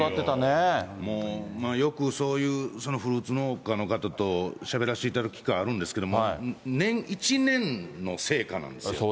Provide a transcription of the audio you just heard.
もうよくそういう、フルーツ農家の方としゃべらせていただく機会あるんですけれども、１年の成果なんですよ。